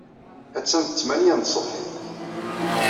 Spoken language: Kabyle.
Attan d ttmanya n tṣebḥit.